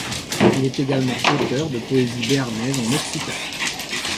Il est également auteur de poésies béarnaises en occitan.